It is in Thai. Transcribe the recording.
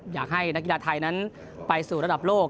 อยากให้นักกีฬาไทยนั้นไปสู่ระดับโลก